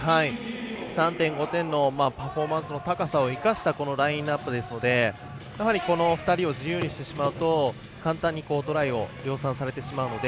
３．５点のパフォーマンスの高さを生かしたラインアップですのでやはり、この２人を自由にしてしまうと簡単にトライを量産されてしまうので。